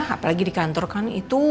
apalagi di kantor kami itu